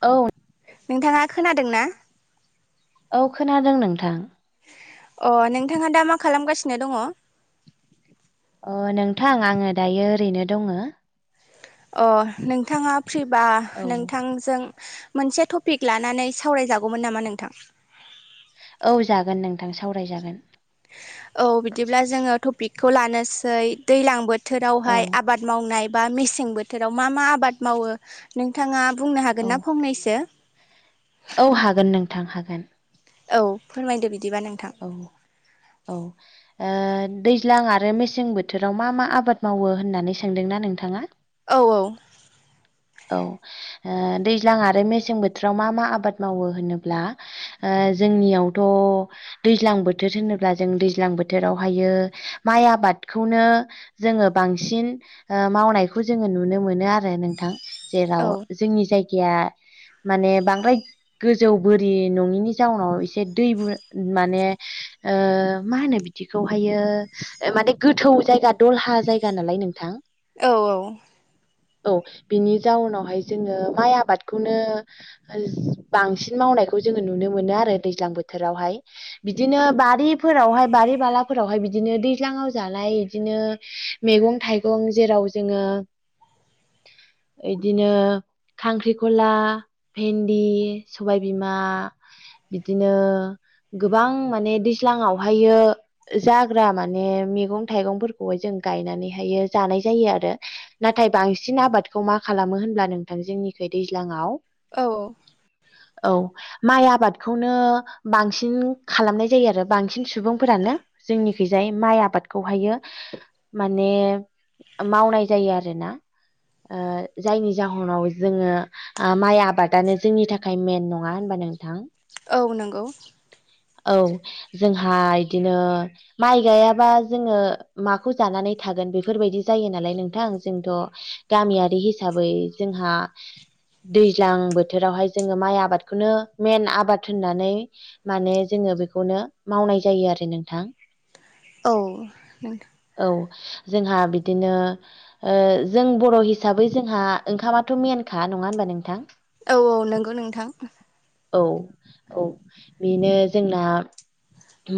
औ नोंथाङा खोनादों ना? औ खोनादों नोंथां। अ नोंथाङा दा मा खालामगासिनो दङ? ओ नोंथां आङो दायो ओरैनो दङो। अ नोंथाङा फ्रिबा औ नोंथांजों मोनसे टपिक लानानै सावरायजागौमोन नामा नोंथां? औ जागोन नोंथां सावरायजागोन। औ बिदिब्ला जोङो टपिकखौ लानोसै दैलां बो औ थोरावहाय आबाद मावनाय बा मेसें बोथोराव मा मा आबाद मावो नोंथाङा बुंनो औ हागोन ना फंनैसो? औ हागोन नोंथां, हागोन। औ फोरमायदो बि औ औ ओ दैज्लां आरो मेसें बोथोराव मा मा आबाद मावो होननानै सोंदोंना नोंथाङा? औ औ औ ओ दैज्लां आरो मेसें बोथोराव मा मा आबाद मावो होनोब्ला ओ जोंनियावथ' दैज्लां बोथोर होनोब्ला जों दैज्लां बोथोरावहायो माइ आबाद खौनो जोङो बांसिन अओमावनायखौ जोङो नुनो मोनो आरो नोंथां। औ जेराव जोंनि जायगाया माने बांद्राय गोजौ बोरि नङिनि जाउनाव एसे दै बो माने ओ मा होनो बिदिखौहायो माने गोथौ जायगा दलहा जायगा नालाय नोंथां औ औ औ बिनि जाउनावहाय जोङो माइ आबादखौनो ओ बांसिन मावनायखौ जोङो नुनो मोनो आरो दैज्लां बोथोरावहाय । बिदिनो बारिफोरावहाय बारि-बालाफोराव बिदिनो दैज्लां आव जालाय इदिनो मेगं-थाइगं जेराव जोङो इदिनो खांख्रिखला भेन्दि सबायबिमा बिदिनो गोबां माने दैज्लांआवहायो जाग्रा माने मेगं थाइगंफोरखौहाय जों गायनानैहायो जानाय जायो आरो नाथाय बां- सिन आबादखौ मा खालामो होनब्ला नोंथां जोंनिखै दैज्लाङाव औ औ माइ आबादखौनो बांसिन खालामनाय जायो आरो बांसिन सुबुंफोरानो जोंनिखैजाय माइ आबादखौहायो माने मावनाय जायो आरोना अ जायनि जाहोनाव जोङो आ माइ आबादानो जोंनि थाखाय मेन नङा होनबा नोंथां औ नंगौ औ जोंहा इदिनो माइ गायाबा जोङो माखौ जानानै थागोन बेफोरबायदि जायो नालाय नोंथां जोंथ' गामियारि हिसाबै जोंहा दैज्लां बोथोरावहाय जोङो माइ आबादखौनो मेन आबाद होननानै माने जोङो बेखौनो मावनाय जायो आरो नोंथां औ नोंथां औ जोंहा बिदिनो अ जों बर' हिसाबै जोंहा ओंखामाथ' मेन खा नङा होनोमबा नोंथां औ औ नंगौ नोंथां औ औ बेनो ब [inaudible]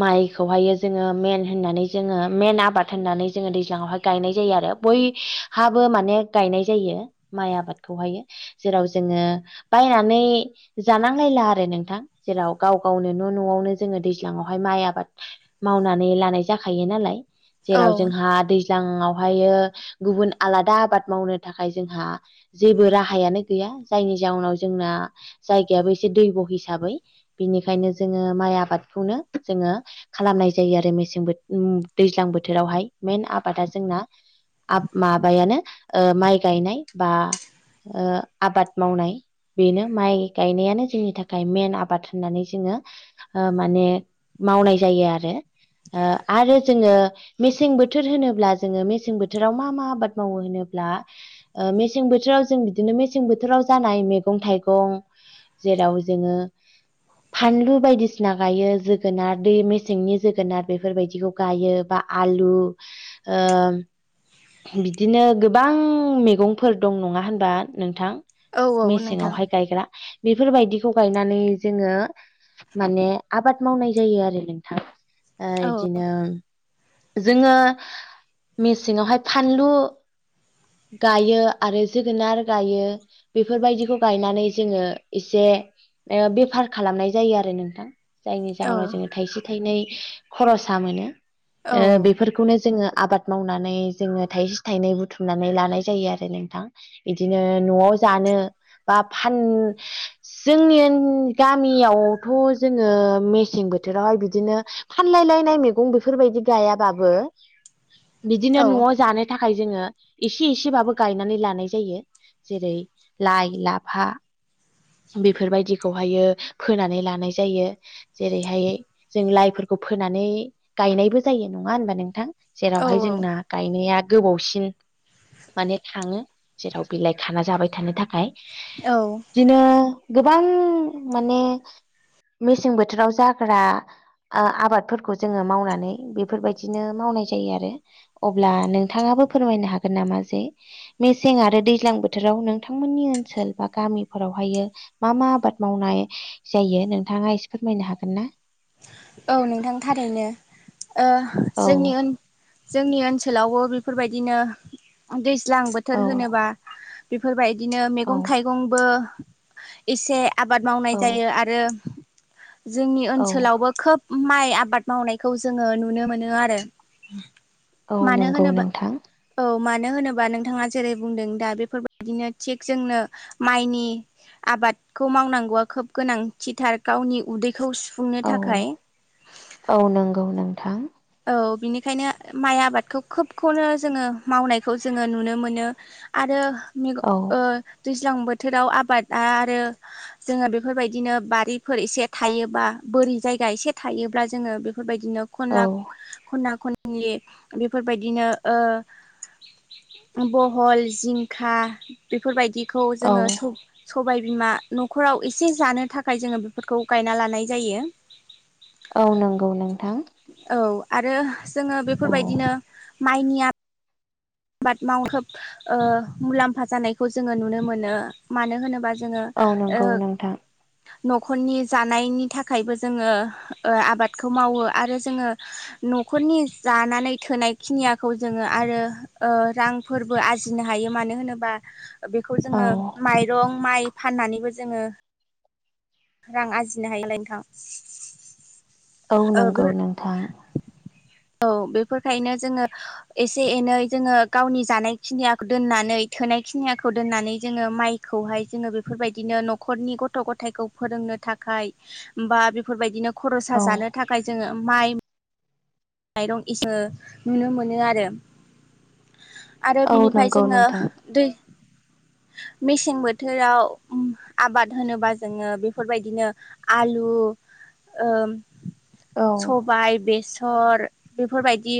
माइखौहायो जोङो मेन होननानै जोङो मेन आबाद होननानै जोङो दैज्लाङावहाय गायनाय जायो आ रो बैहाबो माने गायनाय जायो माइ आबादखौहायो जेराव जोङो बायनानै जानांलायला आरो नोंथां जेराव गाव गावनो न' न'आवनो जोङो दै- ज्लांआवहाय माइ आबाद मावनानै लानाय जाखायो नालाय औ जेराव जोंहा दै- ज्लांआवहायो गुबुन आलादा आबाद मावनो थाखाय जोंहा जेबो राहायानो गैया जायनि जाहोनाव जोंना जायगायाबो एसे दैब' हिसाबै बिनिखायनो जोङो माइ आबाद- खौनो जोङो खालामनाय जायो आरो मेसें बो उ दैज्लां बोथोरावहाय मइन आबादा जों- ना आब माबायानो अ माइ गायनाय बा अ आबाद मावनाय बेनो माइ गायनायानो जोंनि थाखाय मेन आबाद होननानै जोङो अ माने मावनाय जायो आरो अ आरो जोङो मेसें बोथोर होनोब्ला जोङो मेसें बोथोराव मा मा आबाद मावो होनो- ब्ला अ मेसें बोथोराव जों बिदिनो मेसें बोथोराव जानाय मेगं थाइगं जेराव जोङो फानलु बायदि- सिना गायो जोगोनार दै मेसेंनि जोगोनार बेफोरबायदिखौ गायो बा आलु ओ बिदिनो गोबां मैगंफोर दं नङा होनबा नोंथां औ औ नोंथां मेसेंआवहाय गायग्रा बेफोरबायदिखौ गायनानै जोङो माने आबाद मावनाय जायो आरो नोंथां औ इदिनो जोङो मेसेङावहाय फानलु गायो आरो जोगोनार गायो बेफोरबायदिखौ गायनानै जोङो एसे बेफार खालामनाय जायो आरो नों जायनि औ जाहनाव जोङो थाइसे थाइनै खरसा मोनो ओ औ बेफोरखौनो जोङो आबाद मावनानै जोङो थाइसे थाइनै बुथुमनानै लानाय जायो आरो नोंथां बिदिनो न'आव जानो बा फान जोंनि गामियावथ' जोङो मेसें बोथोरावहाय बिदिनो फानलाय लायनाय मैगं बेफोरबायदि गायाबाबो बिदिनो औ न'आव जानो थाखाय जोङो इसे एसेबाबो गायनानै लानाय जायो जेरै लाइ लाफा बेफोरबायदिखौहायो फोनानै लानाय जायो जेरैहाय जों लाइफोरखौ फो फोनानै गायनायबो जायो नङा होनबा नोंथां औ जेरावहाय जोंना गायनाया गोबावसिन माने खााङो जेराव बिलाइ खाना जाबाय थानो थाखाय औ इदिनो गोबां माने मेसें बोथोराव जाग्रा आ--आबादफोरखौ जोङो मावनानै बेफोरबायदिनो मावनाय जायो आरो अब्ला नोंथाङा फोरमायनो हागोन नामा जे मेसें आरो दैज्लां बोथोराव नोंथांमोननि ओनसोल बा गामिफोर फोरावहायो मा मा आबाद मावनाय जायो नोंथाङा एसे फोरमायनो हागोन ना औ नोंथां थारैनो औ ओक्षजोंनि जोंनि ओनसोलावबो बेफोरबायदिनो दै ज्लां औ बोथोर होनोबा बेफोरबायदिनो औ मैगं थाइगंबो एसे आबाद मावनाय औ जायो आरो जोंनि औ ओनसोलावबो खोब माइ आबाद मावनायखौ जोङो नुनो मोनो आरो औ मानो नंगौ होनोबा नोंथां औ मानो होनोबा नोंथाङा जेरै बुंदों दा बेफोरबायदिनो थिग जोंनो माइनि आबादखौ मावनांगौवआ खोब गोनांथिथार गावनि उदैखौ सुफुं औ औ नंगौ नों औ बिनिखायनो माइ आबादखौ खोबखौनो जोङो मावनायखौ जोङो नुनो मोनो आरो औ [unintelligible] दैज्लां बोथोराव आबादा आरो जोङो बेफोरबायदिनो बारिफोर एसे थायोबा बा बोरै जायगा एसे थायोब्ला जोङो बेफोरबायदिनो औ खनला खना खननि बेफोरबायदिनो बहल जिंखा बेफोरबायदिखौ औ जोङो सबाय बिमा न'खराव एसे जानो थाखाय जोङो बेफोरखौ गायना लानाय जायो औ नंगौ नोंथां औ आरो जोङो औ बेफोरबायदिनो माइनिया आबाद मावहोब ओ मुलाम्फा जानायखौ जोङो नुनो मोनो मानो होनोबा जों जोङो औ नंगौ नोंथां न'खरनि जानायनि थाखायबो जोङो आबादखौ मावो आरो जोङो न'खरनि जानानै थोनाय खिनियाखौ जोङो आरो ओ रांफोरबो आरजिनो हायो मानो होनोबा बेखौ जोङो औ माइरं माइ फाननानैबो जोङो रां आरजिनो हायोलाय नोंथां औ नंगौ नोंथां औ बेफोरखायनो जोङो एसे एनै जोङो गावनि जानायखिनिया दोननानै थोनाय जानायखिनियाखौ दोननानै जोङो माइखौहाय जोङो बेफोरबायदिनो न'खरनि गथ' गथायखौ फोरोंनो थाखाय बा बेफोरबायदिनो खरसा औ जानो थाखाय जोङो माइ माइरं इो नुनो मोनो आरो आरो औ बिनिफ्राय नंगौ जोङो नोंथां दै [unintelligible] मेसें बोथोराव आबाद होनोबा जोङो बेफोरबायदिनो आलु ओ औ । सबाय बेसर बेफोरबायदि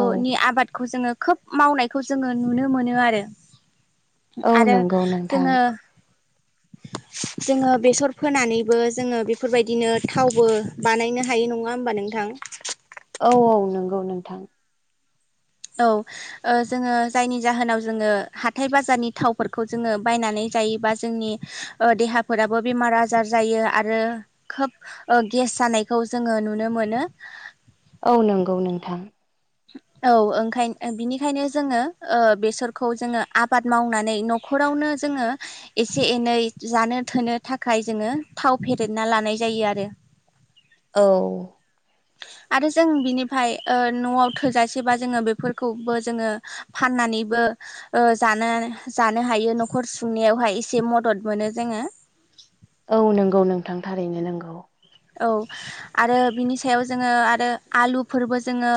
औ आबादखौ जोङो खोब मावनायखौ जोङो नुनो मोनो आरो औ आरो नंगौ नोंथां जोङो [inaudible] जोङो बेसर फोनानैबो जोङो बेफोरबायदिनो थावबो बानायनो हायो नङा होमबा नोंथां । थां औ औ नंगौ नोंथां । औ जोङो जायनि जाहोनाव जोङो हाथाय बाजारनि थावफोरखौ जोङो बायनानै जायोबा जोंनि देहाफोराबो बेमार आजार जायो आरो खोब गेस सानायखौ जोङो नुनो मोनो। औ नंगौ नोंथां औ ओंखाय बिनिखायनो जोङो ओ बेसरखौ जोङो आबाद मावनानै न'ख नखरावनो जोङो एसे एनै जानो थोनो थाखाय जोङो थाव फेदेरना लानाय जायो। ए आरो औ आरो जों ओ बिनिफ्राय न'आव थोजासेबा जोङो बेफोरखौबो जोङो फाननानैबो ओ जानो जानो हायो न'खर सुंनायावहाय एसे मदद मोनो जोङो औ नंगौ नोंथां थारैनो नंगौ। औ आरो बिनि सायाव जोङो आरो आलुफोरबो जोङो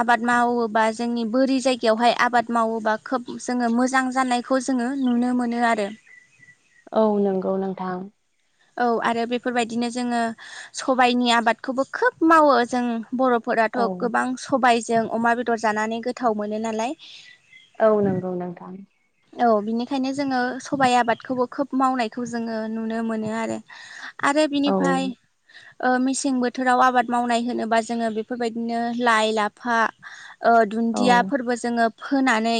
आबाद मावोबा बा जोंनि बोरि जायगायावहाय आबाद मावोबा खोब जोङो मोजां जानायखौ जोङो नुनो मोनो आरो औ नंगौ नोंथां औ आरो बेफोरबायदिनो जोङो सबायाइनि आबादखौबो खोब मावो जों बर'फोराथ' औ गोबां सबायजों अमा बेदर जानानै गोथाव मोनो नालाय औ नंगौ नोंथां औ बिनिखायनो जोङो सबाइ आबादखौबो खोब मावनायखौ जोङो नुनो मोनो आरो आरो औ बिनिफ्राय ओ मेसें बोथोराव आबाद मावनाय होनोबा जोङो बेफोरबायदिनो लाइ लाफा ओ औ दुन्दियाफोरबो जोङो फोनानै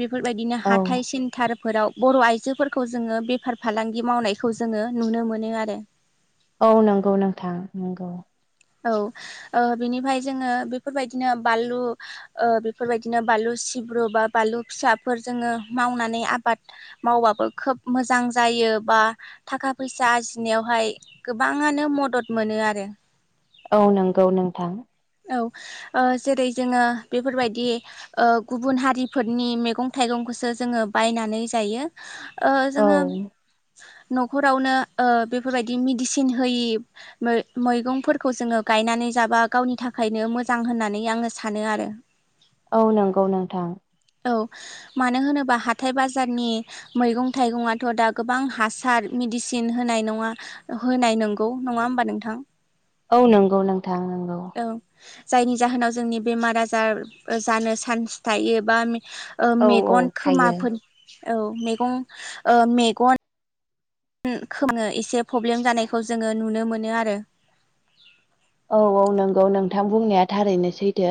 बेफोरबायदिनो औ हाथाइ सिन्थार फोराव बर' आइजोफोरखौ जोङो बेफार फालांगि मावनायखौ जोङो नुनो मोनो आरो औ नंगौ नोंथां नंगौ औ ओ बेनिफ्राय जोङो बेफोरबायदिनो बानलु बेफोरबायदिनो बानलु सिब्रु बा बानलु फिसाफोर जोङो मावनानै आबाद मावबाबो खोब मोजां जायो [unintelligible] बा थाखा फैसा आरजिनायावहाय गोबाङानो मदद मोनो आरो औ नंगौ नोंथां। औ ओ जेरै जोङो बेफोरबायदि ओ गुबुन हारिफोरनि मैगं थाइगं सो जोङो बायनानै जायो ओ औ जोङो न'खरावनो ओ बेफोरबायदि मेडिसिन होयि मैगंफोर खौ जोङो गायनानै जाबा गावनि थाखायनो मोजां होननानै आङो सानो आरो औ नंगौ नोंथां औ मानो होनोबा हाथथाय बाजारनि मैगं थाइगंथ' दा गोबां हासार मि डिसिन होनाय नङा होनाय नंगौ नङा होमबा नोंथां? औ नंगौ नोंथां नंगौ औ जायनि जाहोनाव जोंनि बेमार आजार जानो चान्स थायो बा ओ औ औ मेगन थायो खोमाफोर औ मैगं मेगन [unintelligible] एसे प्रब्लेम जानायखौ जों नुनो मोनो आरो औ औ नंगौ नोंथां बुंनाया थारैनो सैथो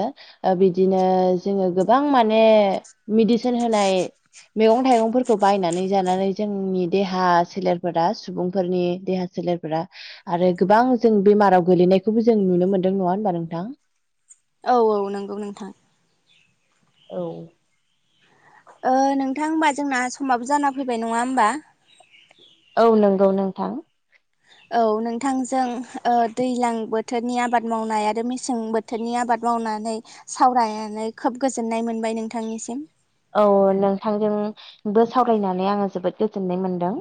ओ बिदिनो जोङो गोबां मा ने मेडिसिन होनाय मैगं थाइगंफोरखौ बायनानै जानानै जोंनि देहा सोलेरफोरा सुबुंफोरनि देहा सोलेरफोरा आरो गोबां जों बेमाराव गोलैनायखौबो जों नुनो मोनदों नङा होमबा नोंथां औ औ नंगौ नोंथां औ ओ नोंथां होमबा जोंना समाबो जाना फैबाय नङा होमबा? औ नंगौ नोंथां। औ नोंथांजों ओ दैज्लां बोथोरनि आबाद मावनाय आरो मेसें बोथोरनि आबा बाद मावनानै सावरायनानै खोब गोजोननाय मोनबाय नोंथांनिसिम औ नोंथांजोंबो सावरायनानै आङो जोबोद गोजोननाय मोनदों।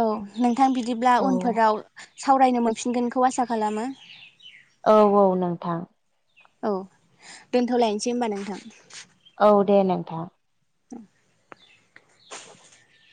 औ नोंथां बिदिब्ला औ उनफोराव सावरायनो मोनफिनगोनखौ आसा खालामो औ औ नोंथां औ दोनथ'लायनोसै होमबा नोंथां औ दे नोंथां [inaudible]